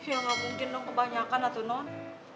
ya gak mungkin dong kebanyakan lah tuh non